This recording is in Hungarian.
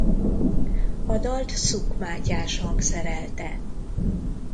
A dalt Szuk Mátyás hangszerelte.